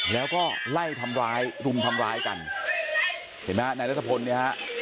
แล้วก็ไล่ทำร้ายรุมทำร้ายกันเห็นไหมฮะนายรัฐพลเนี่ยฮะ